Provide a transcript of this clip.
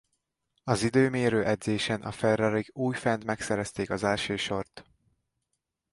Az időmérő edzésen a Ferrarik újfent megszerezték az első sort.